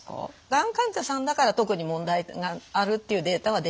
がん患者さんだから特に問題があるっていうデータは出ていないですね。